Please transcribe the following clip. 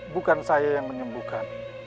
bukan saya yang menyembuhkan